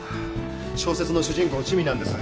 小説の主人公の趣味なんです。